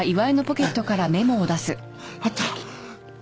あった。